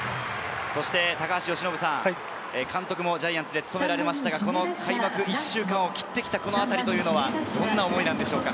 高橋由伸さん、監督もジャイアンツで務められましたが、開幕１週間を切ってきたこの辺り、どんな思いでしょうか。